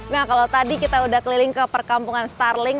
nah kalau tadi kita udah keliling ke perkampungan starling